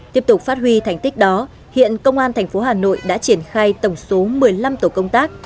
tiếp tục phát huy thành tích đó hiện công an thành phố hà nội đã triển khai tổng số một mươi năm tổ công tác